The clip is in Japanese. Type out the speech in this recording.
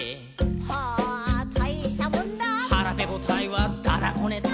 「はらぺこタイはだだこねた」